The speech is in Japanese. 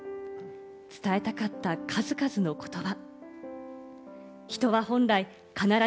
伝えたかった数々の言葉。